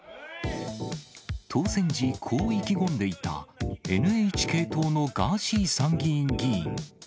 当選時、こう意気込んでいたＮＨＫ党のガーシー参議院議員。